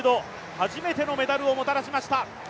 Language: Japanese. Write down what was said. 初めてのメダルをもたらしました。